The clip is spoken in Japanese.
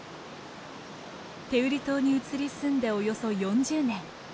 天売島に移り住んでおよそ４０年。